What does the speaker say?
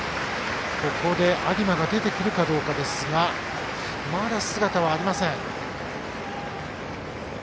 ここで有馬が出てくるかどうかですがまだ姿はありません。